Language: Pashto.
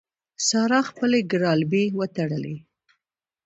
سارا خپلې ګرالبې وتړلې.